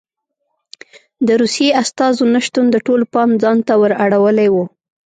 د روسیې استازو نه شتون د ټولو پام ځان ته ور اړولی و.